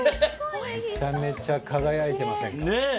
めちゃめちゃ輝いてませんか？